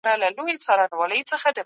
د غلا کوونکو لاسونه پرې کړئ.